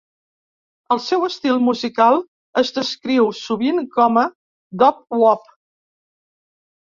El seu estil musical es descriu sovint com doo-wop.